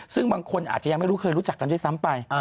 ซึ่งบางคนอาจจะยังไม่รู้เคยรู้จักกันด้วยซ้ำไป